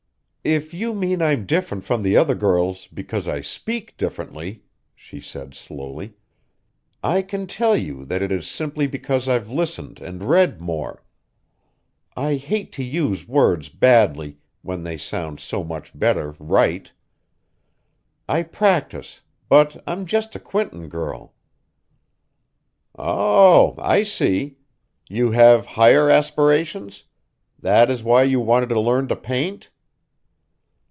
"If you mean I'm different from the other girls, because I speak differently," she said slowly, "I can tell you that it is simply because I've listened and read more. I hate to use words badly, when they sound so much better right. I practise, but I'm just a Quinton girl." "Oh! I see. You have higher aspirations? That is why you wanted to learn to paint?"